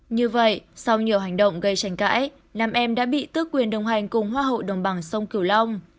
như vậy sau nhiều hành động gây tranh cãi nam em đã bị tước quyền đồng hành cùng hoa hậu đồng bằng sông cửu long